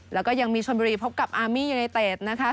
แล้วก็ยังมีชนบุรีพบกับอาร์มี่ยูไนเต็ดนะคะ